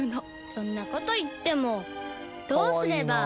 「そんなこと言ってもどうすれば？」